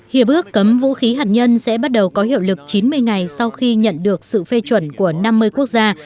hiệp ước cấm vũ khí hạt nhân sẽ bắt đầu có hiệu lực chín mươi ngày sau khi nhận được sự phê chuẩn của năm mươi quốc gia